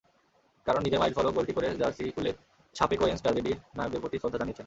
কারণ নিজের মাইলফলক গোলটি করে জার্সি খুলে শাপেকোয়েনস-ট্র্যাজেডির নায়কদের প্রতি শ্রদ্ধা জানিয়েছেন।